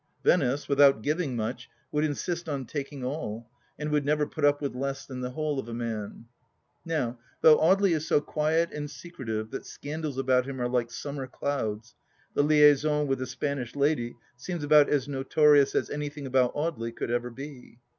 Venice, with out giving much, would insist on taking all, and would never put up with less than the whole of a man. Now, though Audely is so quiet and secretive that scandals about him are like summer clouds ; the liaison with the Spanish lady seems about as notorious as anything about Audely could ever be